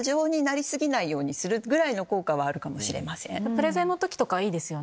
プレゼンの時とかはいいですよね。